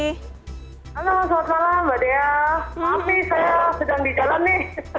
halo selamat malam mbak dea maaf nih saya sedang di jalan nih